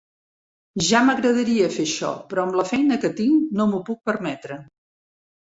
Ja m'agradaria fer això, però amb la feina que tinc no m'ho puc permetre.